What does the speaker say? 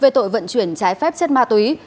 về tội vận chuyển trái phép chất ma túy